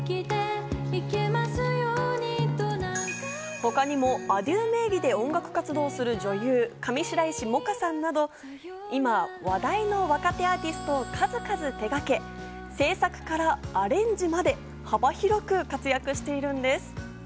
他にもａｄｉｅｕ名義で音楽活動する女優・上白石萌歌さんなど今、話題の若手アーティストを数々手がけ、制作からアレンジまで幅広く活躍しているんです。